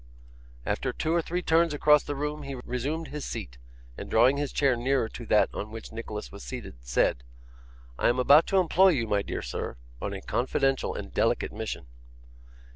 After two or three turns across the room he resumed his seat, and drawing his chair nearer to that on which Nicholas was seated, said: 'I am about to employ you, my dear sir, on a confidential and delicate mission.